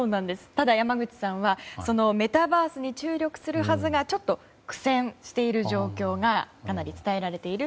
ただ、山口さんはメタバースに注力するはずがちょっと苦戦している状況がかなり伝えられている。